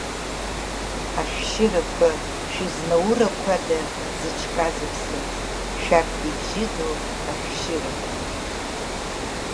Ашәшьырақәа шәызнаурқәада зыҽказыԥсаз, шәарҭ ибжьыдоу, ашәшьырақәа?